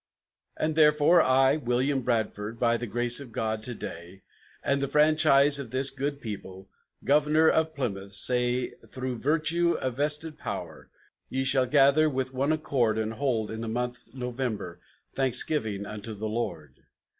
"And therefore, I, William Bradford (by the grace of God to day, And the franchise of this good people), Governor of Plymouth, say, Through virtue of vested power ye shall gather with one accord, And hold, in the month November, thanksgiving unto the Lord.